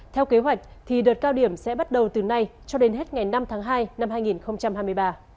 theo kế hoạch thì đợt cao điểm sẽ bắt đầu từ nay cho đến hết ngày năm tháng hai năm hai nghìn hai mươi ba